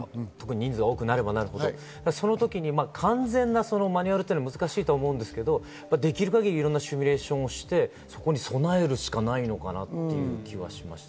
ニーズが多くなればなるほど完全なマニュアルは難しいと思うんですが、できる限りいろんなシミュレーションをして、それに備えるしかないのかなという気がしました。